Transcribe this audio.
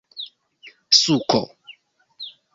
suko